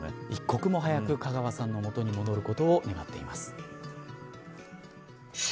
一刻も早くカガワさんの元に戻ることを願っています。